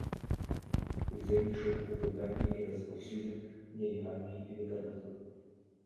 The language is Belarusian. Удзельнічаў у выданні і распаўсюдзе нелегальнай літаратуры.